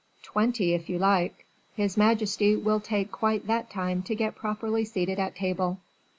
"Twenty, if you like. His majesty will take quite that time to get properly seated at table."